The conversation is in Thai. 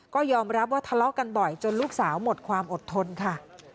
ก็ยอมรับว่าทะเลาะกันบ่อยจนลูกสาวหมดความอดทนค่ะ